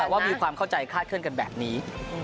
ว่ามีความเข้าใจคลาดเคลื่อนกันแบบนี้